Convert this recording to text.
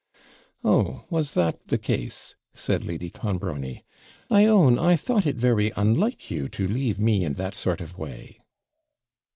'Oh, was that the case?' said Lady Clonbrony; 'I own I thought it very unlike you to leave me in that sort of way.'